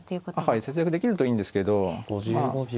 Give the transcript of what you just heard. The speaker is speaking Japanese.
はい節約できるといいんですけどま